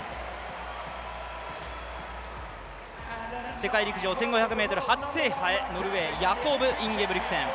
世界陸上１５００ｍ初制覇へノルウェー、ヤコブ・インゲブリクセン。